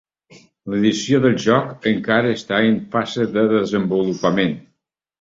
L'edició del joc encara està en fase de desenvolupament.